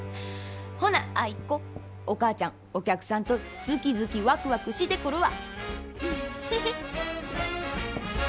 ほなアイ子お母ちゃんお客さんとズキズキワクワクしてくるわ。